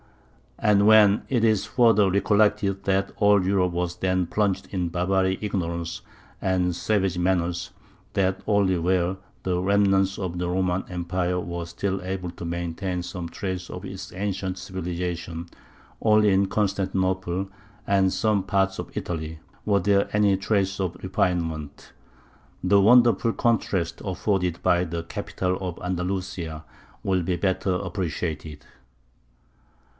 And when it is further recollected that all Europe was then plunged in barbaric ignorance and savage manners, and that only where the remnants of the Roman Empire were still able to maintain some trace of its ancient civilization, only in Constantinople and some parts of Italy, were there any traces of refinement, the wonderful contrast afforded by the capital of Andalusia will be better appreciated.